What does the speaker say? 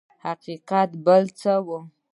حقیقت بل څه و.